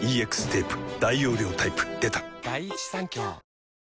大容量タイプ出た！